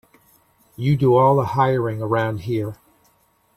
You do all the hiring around here.